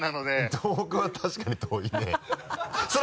東北は確かに遠いね